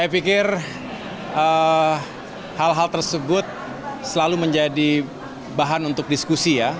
saya pikir hal hal tersebut selalu menjadi bahan untuk diskusi ya